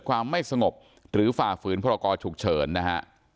ความไม่สงบหรือฝ่าฝืนพรกรฉุกเฉินนะฮะ